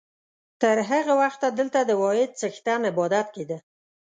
تر هغه وخته دلته د واحد څښتن عبادت کېده.